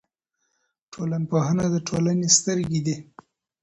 ټولنپوهنه د ټولنې سترګې دي.